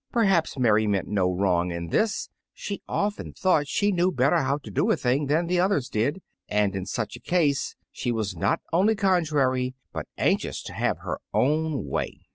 Perhaps Mary meant no wrong in this; she often thought she knew better how to do a thing than others did; and in such a case she was not only contrary, but anxious to have her own way.